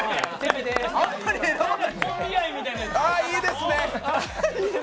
あー、いいですね。